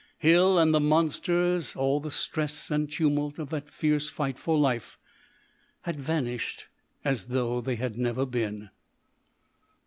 Hill and the monsters, all the stress and tumult of that fierce fight for life, had vanished as though they had never been.